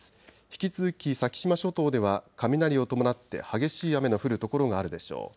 引き続き先島諸島では雷を伴って激しい雨の降る所があるでしょう。